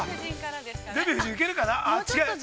「デビュー夫人」、いけるかな。